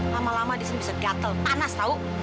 lama lama di sini bisa gatel panas tahu